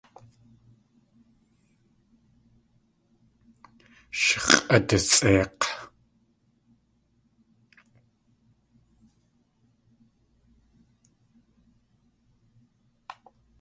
Sh x̲ʼadasʼeik̲.